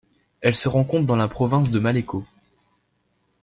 Elle se rencontre dans la province de Malleco.